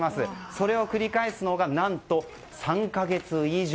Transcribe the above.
それを繰り返すのが何と３か月以上。